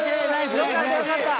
よかったよかった。